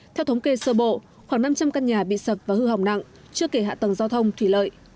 theo thống kê sơ bộ khoảng năm trăm linh căn nhà bị sập và hư hỏng nặng chưa kể hạ tầng giao thông thủy lợi